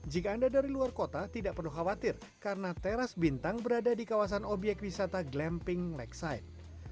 jika anda dari luar kota tidak perlu khawatir karena teras bintang berada di kawasan obyek wisata glamping lexide